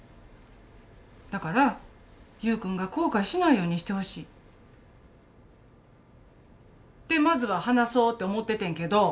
だから優君が後悔しないようにしてほしい。ってまずは話そうって思っててんけど。